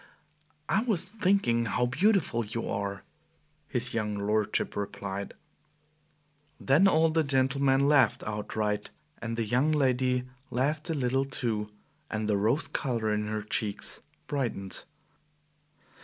"I was thinking how beautiful you are," his young lordship replied. Then all the gentlemen laughed outright, and the young lady laughed a little too, and the rose color in her cheeks brightened.